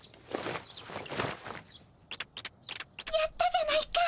やったじゃないか。